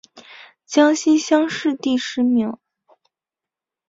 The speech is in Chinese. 江西乡试第十名。